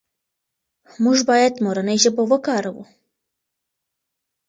موږ باید مورنۍ ژبه وکاروو.